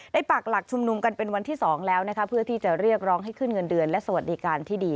ปากหลักชุมนุมกันเป็นวันที่๒แล้วนะคะเพื่อที่จะเรียกร้องให้ขึ้นเงินเดือนและสวัสดิการที่ดี